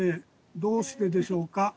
どうしてでしょうか？